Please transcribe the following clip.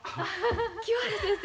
清原先生。